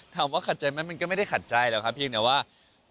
ถามว่าขัดใจไหมมันก็ไม่ได้ขัดใจหรอกครับเพียงแต่ว่า